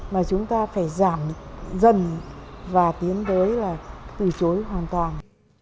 mà chúng ta phải giảm dần và tiến tới là từ chối hoàn toàn